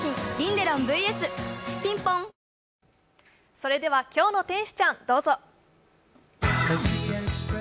それでは、「今日の天使ちゃん」どうぞ。